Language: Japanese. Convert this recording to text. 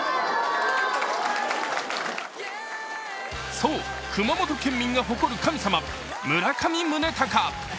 そう、熊本県民が誇る神様村上宗隆。